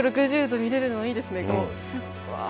３６０度見れるのがいいですね！